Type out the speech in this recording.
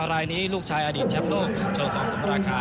รายนี้ลูกชายอดีตแชมป์โลกโชว์ความสมราคา